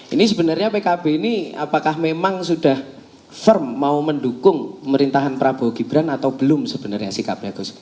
ini sebenarnya pkb ini apakah memang sudah firm mau mendukung pemerintahan prabowo gibran atau belum sebenarnya sikapnya gus